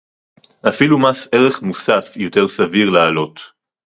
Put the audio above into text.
אפילו מס ערך מוסף יותר סביר להעלות